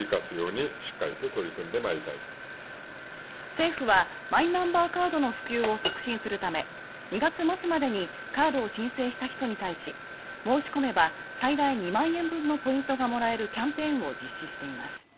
政府は、マイナンバーカードの普及を促進するため２月末までにカードを申請した人に対し申し込めば最大２万円分のポイントがもらえるキャンペーンを実施しています。